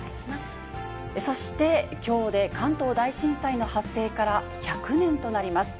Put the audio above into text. そして、きょうで関東大震災の発生から１００年となります。